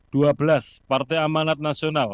dua belas partai amanat nasional